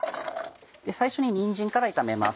最初ににんじんから炒めます